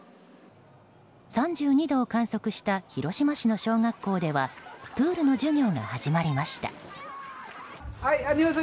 ３２度を観測した広島市の小学校ではプールの授業が始まりました。